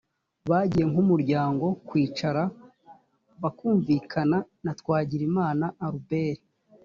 bagiye nk umuryango kwicara bakumvikana na twagirimana albert